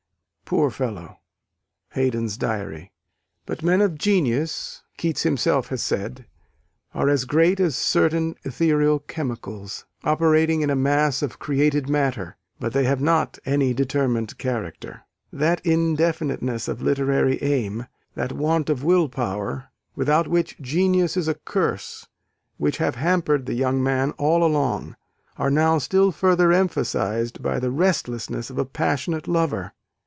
Poor fellow!" (Haydon's diary). But "men of genius," Keats himself has said, "are as great as certain ethereal chemicals, operating in a mass of created matter: but they have not any determined character." That indefiniteness of literary aim that want of willpower, without which genius is a curse, which have hampered the young man all along are now still further emphasised by the restlessness of a passionate lover.